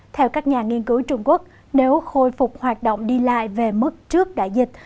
theo các nhà nghiên cứu trung quốc nếu khôi phục hoạt động đi lại về mức trước đại dịch